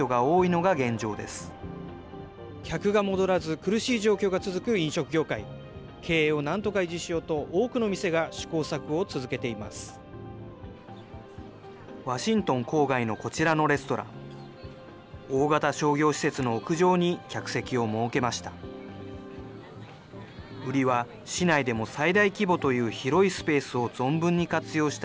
大型商業施設の屋上に客席を設けました。